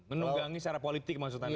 menunggangi secara politik maksud anda